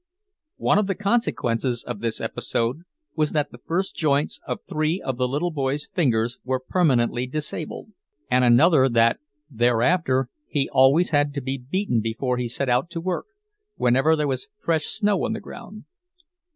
One of the consequences of this episode was that the first joints of three of the little boy's fingers were permanently disabled, and another that thereafter he always had to be beaten before he set out to work, whenever there was fresh snow on the ground.